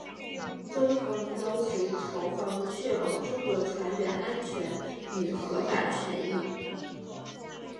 中方要求朝方确保中国船员安全与合法权益。